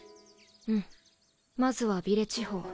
うんまずはヴィレ地方。